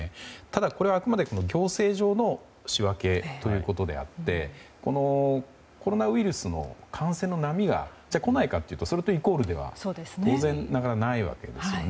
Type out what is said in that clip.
これはあくまで行政上の仕分けでコロナウイルスの感染の波が来ないかというとそれとイコールでは当然なかなかないわけですよね。